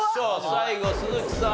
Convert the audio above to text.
最後鈴木さん